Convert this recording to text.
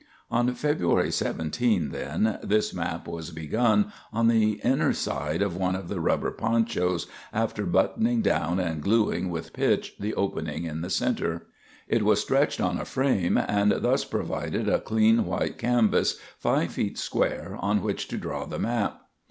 On February 17, then, this map was begun on the inner side of one of the rubber ponchos after buttoning down and gluing with pitch the opening in the center. It was stretched on a frame, and thus provided a clean white canvas five feet square on which to draw the map.